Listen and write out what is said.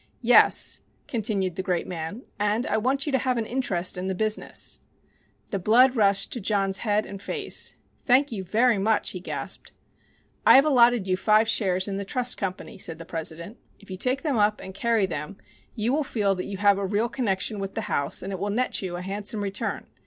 "Yes," continued the great man. "And I want you to have an interest in the business." The blood rushed to John's head and face. "Thank you very much," he gasped. "I have allotted you five shares in the trust company," said the president. "If you take them up and carry them you will feel that you have a real connection with the house and it will net you a handsome return.